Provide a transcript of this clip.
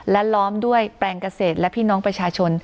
และล้อมด้วยแปลงเกษตรและพี่น้องประชาชน